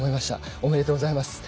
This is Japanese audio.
おめでとうございます。